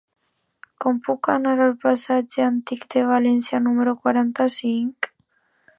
Com puc anar al passatge Antic de València número quaranta-cinc?